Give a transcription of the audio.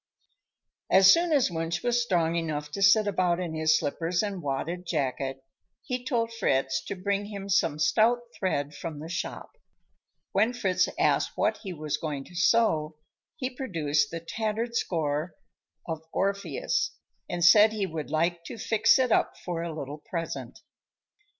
As soon as Wunsch was strong enough to sit about in his slippers and wadded jacket, he told Fritz to bring him some stout thread from the shop. When Fritz asked what he was going to sew, he produced the tattered score of "Orpheus" and said he would like to fix it up for a little present.